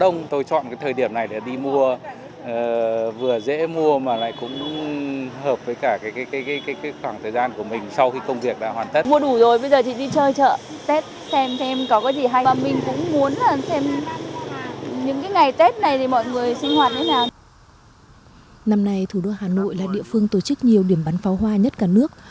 năm nay thủ đô hà nội là địa phương tổ chức nhiều điểm bắn pháo hoa nhất cả nước